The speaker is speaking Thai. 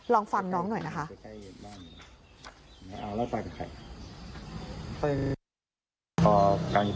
ลองฟังน้องหน่อยนะคะ